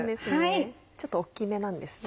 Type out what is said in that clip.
ちょっと大きめなんですね。